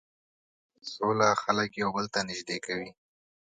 سوله خلک یو بل ته نژدې کوي.